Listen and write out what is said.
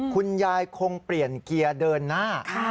คุณยายคงเปลี่ยนเกียร์เดินหน้า